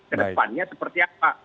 kedepannya seperti apa